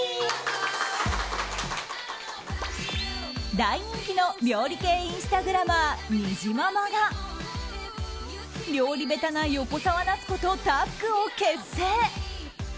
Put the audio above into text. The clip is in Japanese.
大人気の料理系インスタグラマーにじままが料理ベタな横澤夏子とタッグを結成。